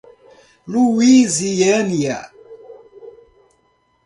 Luisiânia